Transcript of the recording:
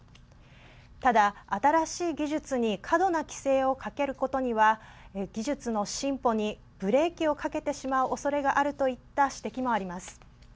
ただ、新しい技術に過度な規制をかけることには技術の進歩にブレーキをかけてしまうおそれがあるといった指摘もあります。